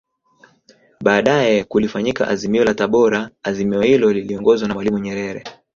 Baadae kulifanyika Azimio la Tabora Azimio hilo liliongozwa na Mwalimu Nyerere